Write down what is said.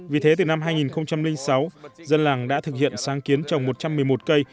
vì thế từ năm hai nghìn sáu dân làng đã thực hiện sáng kiến trồng một trăm một mươi một cây